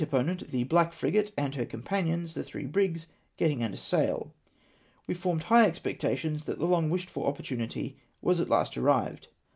opponent, the black frigate, and her companions the three brigs, getting under sail ; we formed high expectations that the long wished for opportunity was at last arrived.